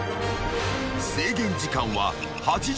［制限時間は８０分］